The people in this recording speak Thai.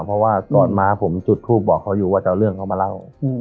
เพราะว่าตอนมาผมจุดทูปบอกเขาอยู่ว่าจะเอาเรื่องเขามาเล่า